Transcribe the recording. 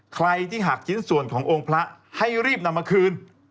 ใครที่หักชิ้นส่วนขององค์พระให้รีบนำมาคืน